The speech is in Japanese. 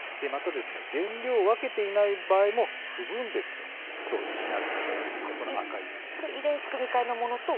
原料を分けていない場合も「不分別」と表示しなければなりません。